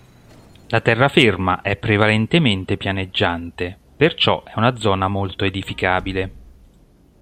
La terraferma è prevalentemente pianeggiante perciò è una zona molto edificabile.